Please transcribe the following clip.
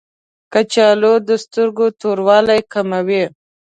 کچالو د سترګو توروالی کموي